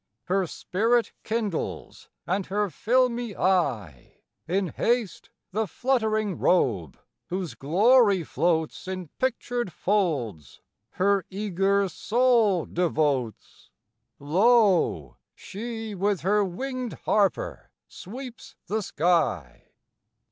Her spirit kindles, and her filmy eye! In haste the fluttering robe, whose glory floats In pictured folds, her eager soul devotes Lo, she with her winged harper sweeps the sky!